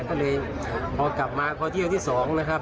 ก็เลยพอกลับมาพอเที่ยวที่๒นะครับ